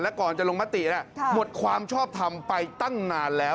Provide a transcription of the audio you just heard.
ก่อนจะลงมติหมดความชอบทำไปตั้งนานแล้ว